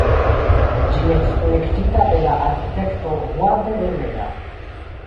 Ĝi estis projektita de la arkitekto Juan de Herrera.